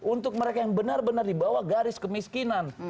untuk mereka yang benar benar dibawa garis kemiskinan